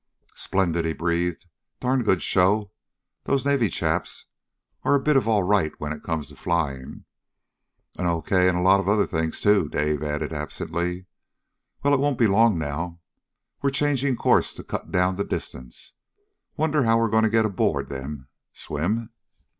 "Splendid!" he breathed. "Darn good show. Those Navy chaps are a bit of all right when it comes to flying." "And okay in a lot of other things, too," Dave added absently. "Well, it won't be long now. We're changing course to cut down the distance. Wonder how we're going to get aboard them? Swim?"